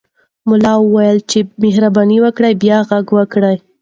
ملا وویل چې مهرباني وکړه او بیا غږ وکړه.